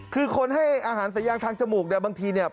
คือคนให้อาหารสายางทางจมูกเนี่ยบางทีเนี่ย